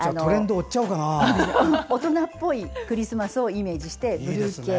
大人っぽいクリスマスをイメージしてブルー系。